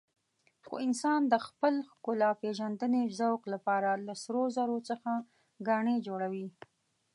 خو انسان د خپل ښکلاپېژندنې ذوق لپاره له سرو زرو څخه ګاڼې جوړوي.